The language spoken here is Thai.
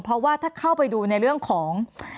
เพราะว่าถ้าเข้าไปดูในเรื่องของ